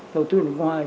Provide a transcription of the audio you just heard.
đầu tư nước ngoài